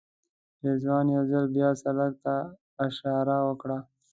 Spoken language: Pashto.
رضوان یو ځل بیا سړک ته اشاره وکړه.